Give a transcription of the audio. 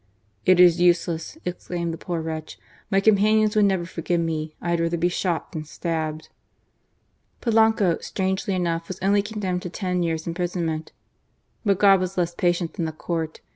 "It is useless," exclaimed the poor wretch, "my companions would never forgive me. I had rather be shot than stabbed." Polanco, stangeiy enough, was only condemned 3og GARCIA MORENO. to ten years' imprisonment. But God was less patient than the court.